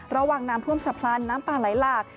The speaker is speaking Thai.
ระหว่างน้ำพร่วมสะพรานน้ำปลาไหลหลาก